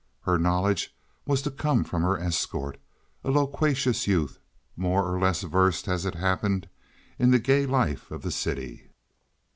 Her knowledge was to come from her escort, a loquacious youth, more or less versed, as it happened, in the gay life of the city.